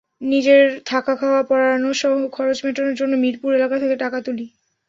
নিজের থাকা, খাওয়া, পড়াশোনাসহ খরচ মেটানোর জন্য মিরপুর এলাকা থেকে টাকা তুলি।